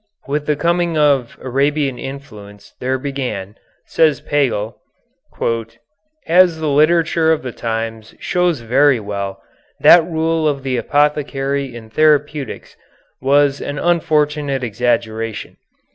With the coming of Arabian influence there began, says Pagel, "as the literature of the times shows very well, that rule of the apothecary in therapeutics which was an unfortunate exaggeration.